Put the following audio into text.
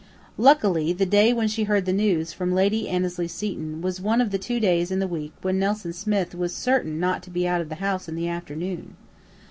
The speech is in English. Luckily, the day when she heard the news from Lady Annesley Seton was one of the two days in the week when Nelson Smith was certain not to be out of the house in the afternoon.